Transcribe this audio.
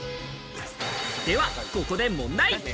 ではここで問題。